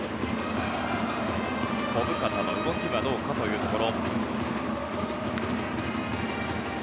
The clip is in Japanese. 小深田の動きはどうかというところ。